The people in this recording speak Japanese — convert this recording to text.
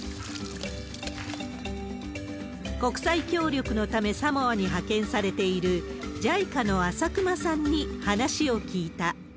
国際協力のためサモアに派遣されている、ＪＩＣＡの朝熊さんに話を聞いた。